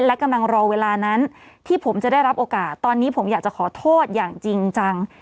และกำลังรอเวลานั้นที่ผมจะได้รับโอกาสตอนนี้ผมอยากจะขอโทษอย่างจริงจัง